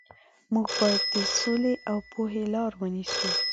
موږ باید د سولې او پوهې لارې ونیسو.